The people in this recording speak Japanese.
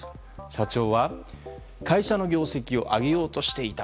社長は会社の業績を上げようとしていた。